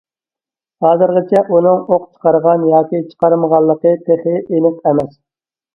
ھازىرغىچە ئۇنىڭ ئوق چىقارغان ياكى چىقارمىغانلىقى تېخى ئېنىق ئەمەس.